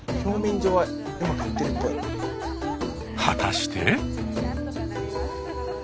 果たして。